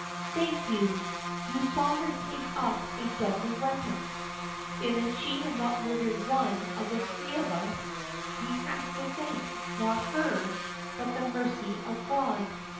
"Thank you! You saw her take up a deadly weapon, and if she has not murdered one of the three of us, we have to thank, not her, but the mercy of God.